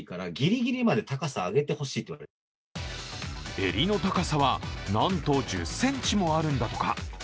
襟の高さはなんと１０ｃｍもあるんだとか。